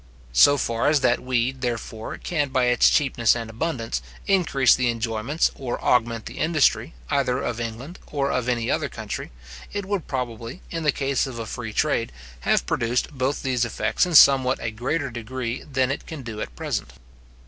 So far as that weed, therefore, can, by its cheapness and abundance, increase the enjoyments, or augment the industry, either of England or of any other country, it would probably, in the case of a free trade, have produced both these effects in somewhat a greater degree than it can do at present.